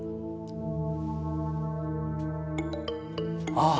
ああ！